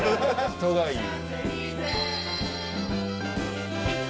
人がいい。